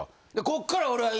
こっから俺は。